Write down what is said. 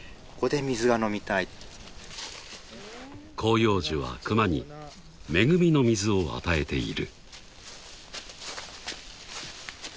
［広葉樹はクマに恵みの水を与えている］